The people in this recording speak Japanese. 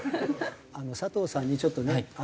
佐藤さんにちょっとね